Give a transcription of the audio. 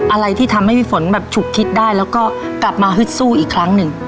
อะไรที่ทำให้พี่ฝนแบบฉุกคิดได้แล้วก็กลับมาฮึดสู้อีกครั้งหนึ่ง